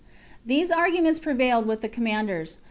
These arguments prevailed with the commanders.